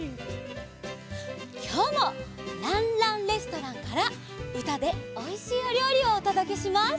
きょうも「ランランレストラン」からうたでおいしいおりょうりをおとどけします。